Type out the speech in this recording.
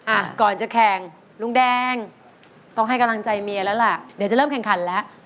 อ่ะก่อนจะแข่งลุงแดงต้องให้กำลังใจเมียแล้วล่ะเดี๋ยวจะเริ่มแข่งขันแล้ว